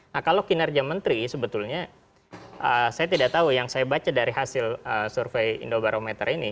nah kalau kinerja menteri sebetulnya saya tidak tahu yang saya baca dari hasil survei indobarometer ini